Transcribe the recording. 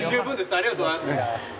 ありがとうございます。